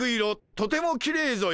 とてもきれいぞよ。